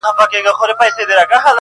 بيزو وان يې پر تخت كښېناوه پاچا سو؛